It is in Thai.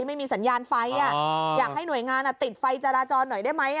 ไม่มีสัญญาณไฟอยากให้หน่วยงานติดไฟจราจรหน่อยได้ไหม